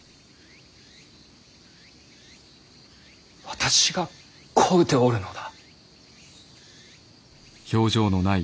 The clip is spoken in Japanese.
私が請うておるのだ。